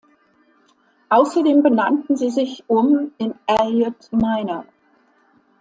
Außerdem benannten sie sich um in "Elliot Minor".